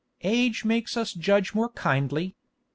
Age makes us judge more kindly.